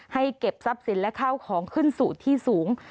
ให้เก็บทรัพย์สินและข้าวของขึ้นสู่ที่สูง